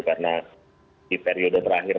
karena di periode terakhir